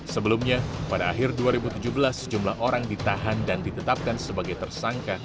sebelumnya pada akhir dua ribu tujuh belas sejumlah orang ditahan dan ditetapkan sebagai tersangka